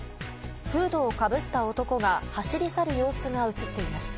フードをかぶった男が走り去る様子が映っています。